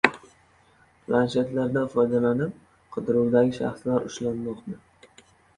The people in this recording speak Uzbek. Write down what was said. Planshetlardan foydalanib, qidiruvdagi shaxslar ushlanmoqda